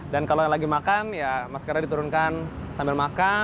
dan kalau yang lagi makan ya maskernya diturunkan sambil makan